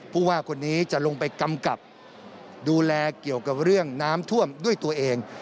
ผู้ว่าคนนี้จะลงไปกำกับดูแลเกี่ยวกับเรื่องน้ำท่วมด้วยตัวเอง